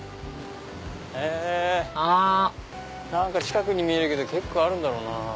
近くに見えるけど結構あるんだろうなぁ。